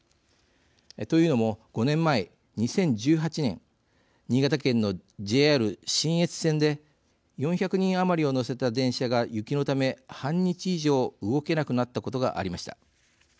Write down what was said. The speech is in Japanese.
というのも５年前、２０１８年新潟県のＪＲ信越線で４００人余りを乗せた電車が雪のため半日以上動けなくなったことがありました。